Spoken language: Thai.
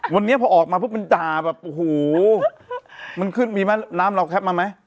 วันนี้พอออกมาปุ๊บมันด่าแบบโอ้โหมันขึ้นมีไหมน้ำเราแคปมาไหม